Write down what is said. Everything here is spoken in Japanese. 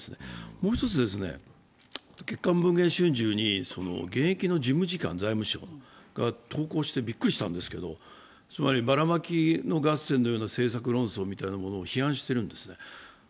もう一つ、月刊「文藝春秋」に現役の事務次官が投稿してびっくりしたんですけどばらまき合戦のような政策論争みたいなことを批判しているんです。